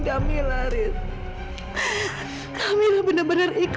kamilah jan fis fm kamu bahkan kepadanya peace